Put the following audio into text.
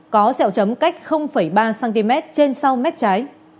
có xeo chấm cách ba cm trên sau mép trái